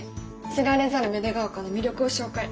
知られざる芽出ヶ丘の魅力を紹介。